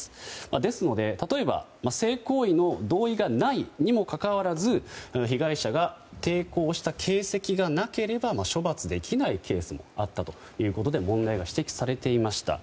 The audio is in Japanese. ですので、例えば性行為の同意がないにもかかわらず被害者が抵抗した形跡がなければ処罰できないケースもあったということで問題が指摘されていました。